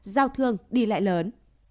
giao thương đi lại lớn